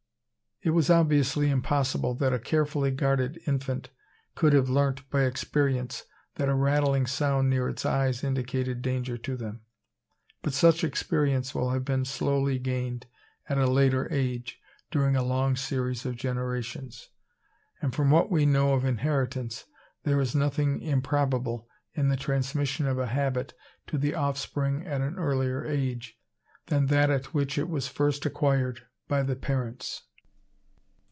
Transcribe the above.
It was obviously impossible that a carefully guarded infant could have learnt by experience that a rattling sound near its eyes indicated danger to them. But such experience will have been slowly gained at a later age during a long series of generations; and from what we know of inheritance, there is nothing improbable in the transmission of a habit to the offspring at an earlier age than that at which it was first acquired by the parents.